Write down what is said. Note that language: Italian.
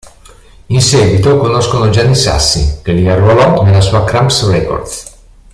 In seguito conoscono Gianni Sassi, che li arruolò nella sua Cramps Records.